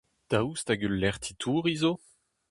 Daoust hag ul lec'h titouriñ zo ?